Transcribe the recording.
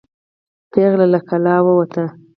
پیغله له کلا ووته.